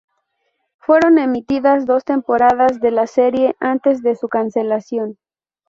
Fueron emitidas dos temporadas de la serie antes de su cancelación.